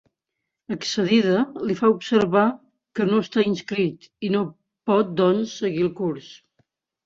Excedida, li fa observar que no està inscrit i no pot doncs seguir el curs.